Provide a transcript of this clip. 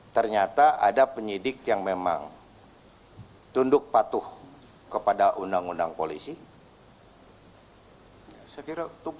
ternyata ada penyidik yang memang tunduk patuh kepada undang undang polisi